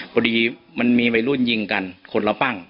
พอดีมันมีวัยรุ่นยิงกันคนละปั้ง